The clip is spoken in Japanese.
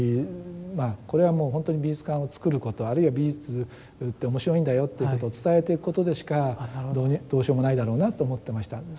これはもうほんとに美術館をつくることあるいは美術って面白いんだよっていうことを伝えていくことでしかどうしようもないだろうなって思ってました。